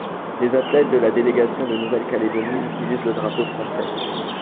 Les athlètes de la délégation de Nouvelle-Calédonie utilisent le drapeau français.